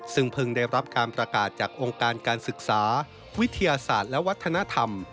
ซึ่งเพิ่งได้รับการประกาศจากองค์การการศึกษาวิทยาศาสตร์และวัฒนธรรม